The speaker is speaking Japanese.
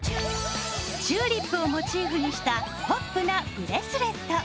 チューリップをモチーフにしたポップなブレスレット。